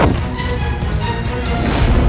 kau tidak tahu